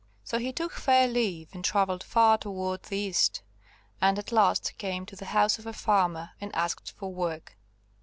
So he took fair leave, and travelled far toward the East, and at last came to the house of a farmer and asked for work.